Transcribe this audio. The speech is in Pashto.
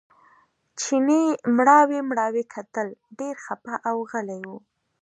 چیني مړاوي مړاوي کتل ډېر خپه او غلی و.